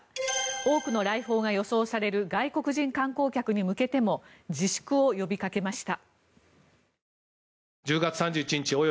多くの来訪が予想される外国人観光客に向けても自粛を呼びかけました。